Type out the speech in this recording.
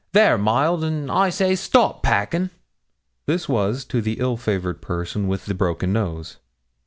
there, mild 'n, I say, stop packin'.' This was to the ill favoured person with the broken nose.